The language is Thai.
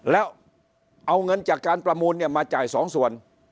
แล้วเอาเงินจากการประมูลมาจ่าย๒ส่วน